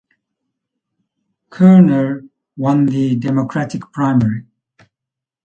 Kerner won the Democratic primary.